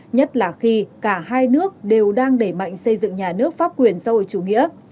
nhất là khi cả hai nước đều đang đẩy mạnh xây dựng nhà nước pháp quyền xã hội chủ nghĩa